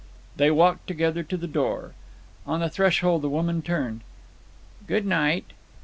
They walked together to the door. On the threshold the woman turned. "Good night."